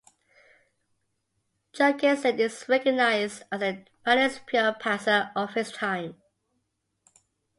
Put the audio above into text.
Jurgensen is recognized as the finest pure passer of his time.